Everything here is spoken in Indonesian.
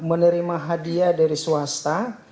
menerima hadiah dari swasta